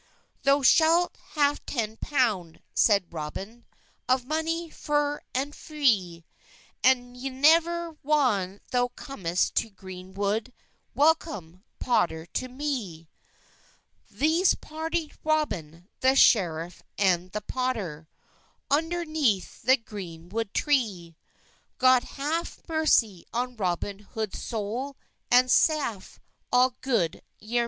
"Thow schalt hafe ten ponde," seyde Roben, "Of money feyr and fre; And yever whan thou comest to grene wod, Wellcom, potter to me." Thes partyd Robyn, the screffe, and the potter, Ondernethe the grene wod tre; God haffe mersey on Robyn Hodys solle, And saffe all god yemanrey!